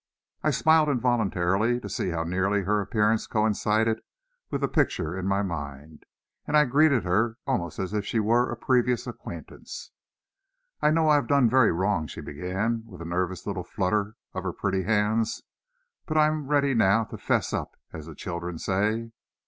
I smiled involuntarily to see how nearly her appearance coincided with the picture in my mind, and I greeted her almost as if she were a previous acquaintance. "I know I've done very wrong," she began, with a nervous little flutter of her pretty hands; "but I'm ready now to 'fess up, as the children say."